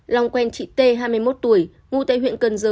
lòng quen chị tê hai mươi một tuổi ngụ tại huyện cần giơ